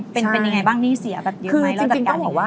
เป็นอย่างไรบ้างนี่เสียแบบเดียวไหม